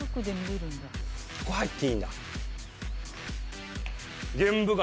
ここ入っていいんだ玄武岩